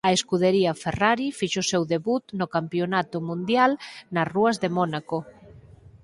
A Scuderia Ferrari fixo o seu debut no Campionato Mundial nas rúas de Mónaco.